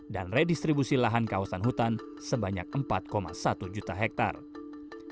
dan redistribusi lahan kawasan hutan sebanyak empat satu juta hektare